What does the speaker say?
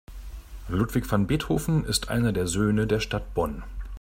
Ludwig van Beethoven ist einer der Söhne der Stadt Bonn.